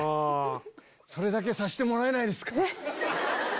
それだけさしてもらえないですか？